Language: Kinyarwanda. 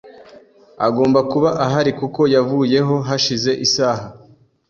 Agomba kuba ahari kuko yavuyeho hashize isaha.